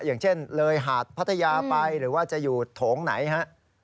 อย่างเช่นเลยหาดพัทยาไปหรือว่าจะอยู่โถงไหนฮะ